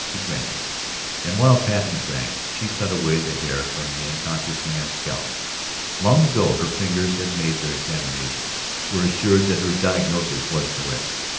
She granted it, and while Patten drank she cut away the hair from the unconscious man's scalp. Long ago her fingers had made their examination, were assured that her diagnosis was correct.